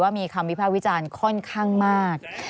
มีคำวิภาควิจารณ์ค่อนข้างมาก